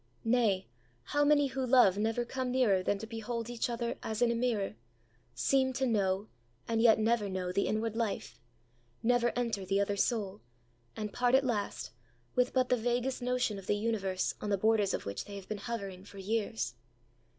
Nay, how many who love never come nearer than to behold each other as in a mirror; seem to know and yet never know the inward life; never enter the other soul; and part at last, with but the vaguest notion of the universe on the borders of which they have been hovering for years?